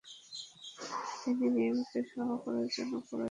তিনি নিয়মিত সভা করার জন্য কলেজের তত্ত্বাবধায়কসহ সংশ্লিষ্ট ব্যক্তিদের নির্দেশ দেন।